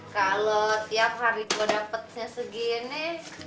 kalau tiap hari ku dapet sg ini